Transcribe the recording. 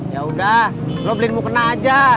ya udah lo beliin mukena aja